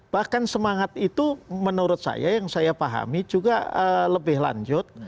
bahkan semangat itu menurut saya yang saya pahami juga lebih lanjut